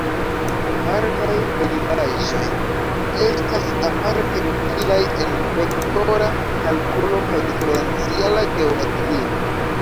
Partaj derivaĵoj estas aparte utilaj en vektora kalkulo kaj diferenciala geometrio.